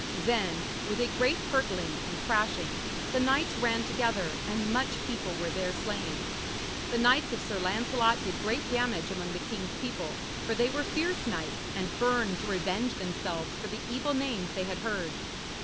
Then, with a great hurtling and crashing, the knights ran together, and much people were there slain. The knights of Sir Lancelot did great damage among the king's people, for they were fierce knights, and burned to revenge themselves for the evil names they had heard.